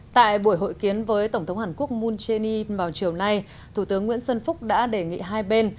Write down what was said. tại buổi hội kiến với tổng thống hàn quốc moon jae in vào chiều nay thủ tướng nguyễn xuân phúc đã đề nghị hai bên